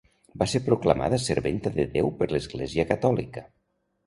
Va ser proclamada serventa de Déu per l'Església catòlica.